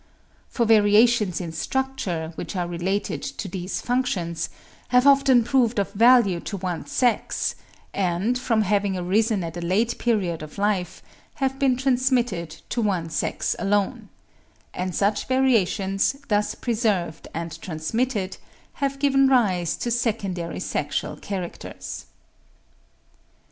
For variations in structure which are related to these functions, have often proved of value to one sex, and from having arisen at a late period of life, have been transmitted to one sex alone; and such variations, thus preserved and transmitted, have given rise to secondary sexual characters.